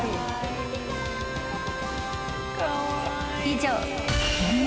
［以上］